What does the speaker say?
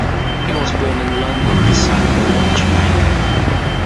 He was born in London, the son of a watchmaker.